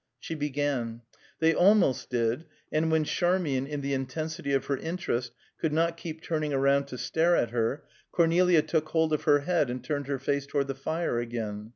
She began, "They almost did," and when Charmian in the intensity of her interest could not keep turning around to stare at her, Cornelia took hold of her head and turned her face toward the fire again.